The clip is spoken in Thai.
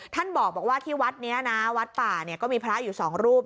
ท่านบอกว่าที่วัดนี้นะวัดป่าก็มีพระอยู่สองรูป